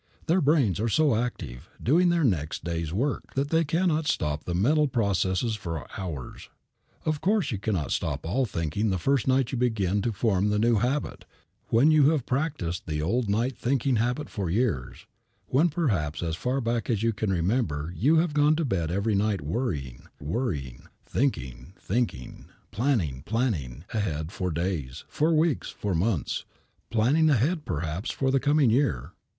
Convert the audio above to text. Their brains are so active, doing their next day's work, that they cannot stop the mental processes for hours. Of course you cannot stop all thinking the first night you begin to form the new habit, when you have practiced the old night thinking habit for years; when perhaps as far back as you can remember you have gone to bed every night worrying, worrying, thinking, thinking, planning, planning ahead for days, for weeks, for months, planning ahead perhaps for the coming year.